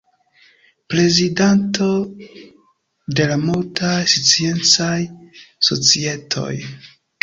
Prezidanto de multaj sciencaj societoj.